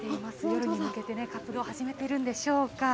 夜に向けて活動を始めているんでしょうか。